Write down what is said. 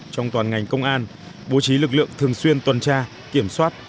trong toàn ngành công an bố trí lực lượng thường xuyên tuần tra kiểm soát